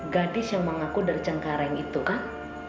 gadis yang mengaku dari cengkareng itu kan